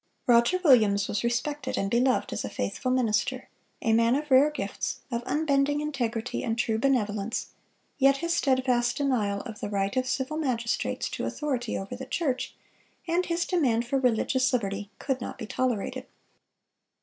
"(442) Roger Williams was respected and beloved as a faithful minister, a man of rare gifts, of unbending integrity and true benevolence; yet his steadfast denial of the right of civil magistrates to authority over the church, and his demand for religious liberty, could not be tolerated.